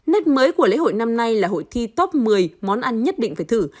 nét mới của lễ hội năm nay là hội thi top một mươi món ăn nhất định phải thử